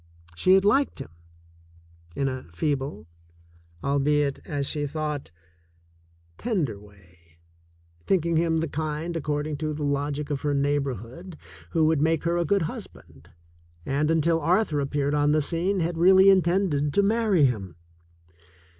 She had liked him in a feeble, albeit, as she thought, tender way, thinking him the kind, accord ing to the logic of her neighborhood, who would make her a good husband, and, until Arthur appeared on the scene, had really intended to marry him.